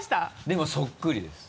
でもそっくりです。